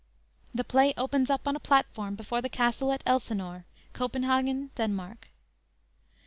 The play opens up on a platform before the castle at "Elsinore," Copenhagen, Denmark.